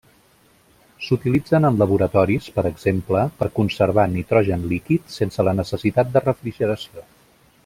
S'utilitzen en laboratoris, per exemple, per a conservar nitrogen líquid sense la necessitat de refrigeració.